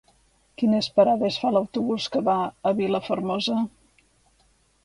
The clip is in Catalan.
Quines parades fa l'autobús que va a Vilafermosa?